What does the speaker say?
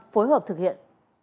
phối hợp thực hiện